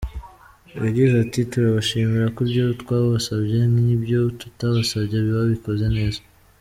Yagize ati “Turabashimira ko ibyo twabasabye n’ibyo tutabasabye babikoze neza.